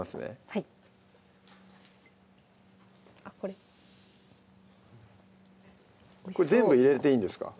はいあっこれ全部入れていいんですか？